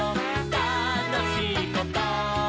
「たのしいこと？」